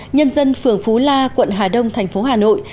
nhân dân phường phú la quận hà đông tp hà nội